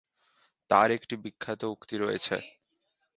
তার একটি বিখ্যাত উক্তি রয়েছেঃ